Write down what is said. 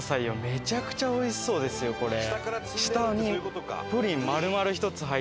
めちゃくちゃおいしそうですよこれ。